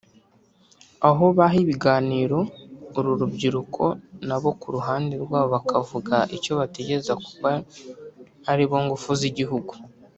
aho baha ibiganiro uru rubyiruko nabo ku ruhande rwabo bakavuga icyo batekereza kuko aribo ngufu z’igihugu